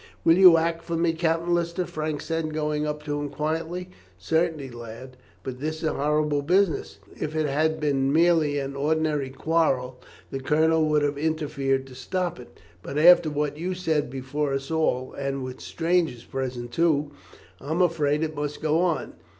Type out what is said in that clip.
"Will you act for me, Captain Lister?" Frank said, going up to him quietly. "Certainly, lad; but this is a horrible business. If it had been merely an ordinary quarrel the colonel would have interfered to stop it, but after what you said before us all, and with strangers present too, I am afraid it must go on.